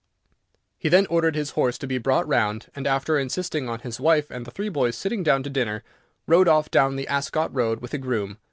He then ordered his horse to be brought round, and, after insisting on his wife and the three boys sitting down to dinner, rode off down the Ascot road with a groom.